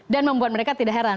dan membuat mereka tidak heran